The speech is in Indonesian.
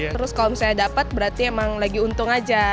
terus kalau misalnya dapat berarti emang lagi untung aja